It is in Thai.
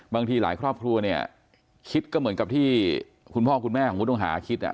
บางทีหลายครอบครัวเนี่ยคิดก็เหมือนกับที่คุณพ่อคุณแม่ของผู้ต้องหาคิด